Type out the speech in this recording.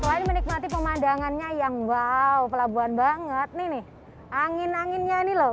selain menikmati pemandangannya yang wow pelabuhan banget nih nih angin anginnya nih loh